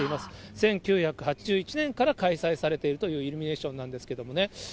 １９８１年から開催されているというイルミネーションなんですけれどもね。